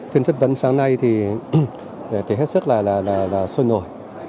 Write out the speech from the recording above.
phiên chất vấn sáng nay thì hết sức là sôi nổi